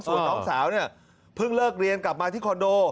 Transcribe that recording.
ส่วนน้องสาวเนี่ยเพิ่งเลิกเรียนกลับมาที่คอนโด